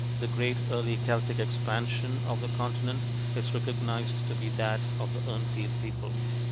the great early Celtic expansion of the Continent is recognized to be that of the Urnfield people."